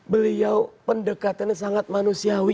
beliau pendekatannya sangat manusiawi